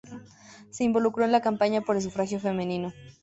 Se involucró en la campaña por el sufragio femenino.